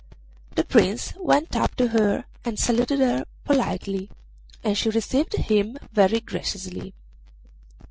The Prince went up to her and saluted her politely, and she received him very graciously.